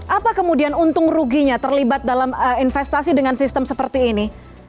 apa kemudian untung ruginya terlibat dalam investasi dengan sistem seperti ini